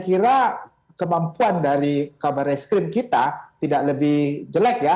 saya kira kemampuan dari kabar eskrim kita tidak lebih jelek ya